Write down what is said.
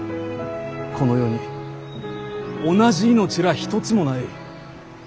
この世に同じ命らあ一つもない。